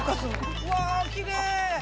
うわぁきれい！